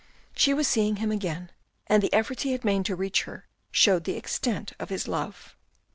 She was seeing him again and the efforts he had made to reach her showed the extent of his love.